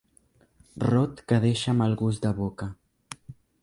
Rot que deixa mal gust de boca.